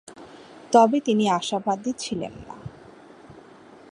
তবে তিনি আশাবাদী ছিলেন না।